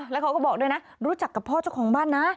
แล้วเขาก็บอกด้วยนะรู้จักกับพ่อเจ้าของบ้านนะ